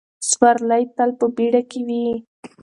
سوارلۍ تل په بیړه کې وي.